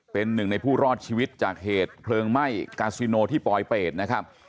เป็นหนึ่งในผู้รอดชีวิตจากเหตุเพลิงไหม้กาซิโนที่ปลอยเป็ดนะครับ